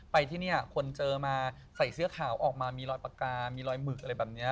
ไปที่นี่คนเจอมาใส่เสื้อขาวออกมามีรอยปากกามีรอยหมึกอะไรแบบนี้